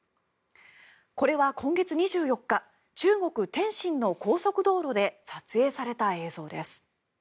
これは今月２４日中国・天津の高速道路で撮影された映像です。